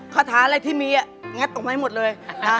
คาถาอะไรที่มีงัดออกมาให้หมดเลย